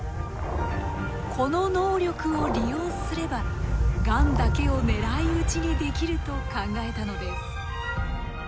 この能力を利用すればがんだけを狙い撃ちにできると考えたのです。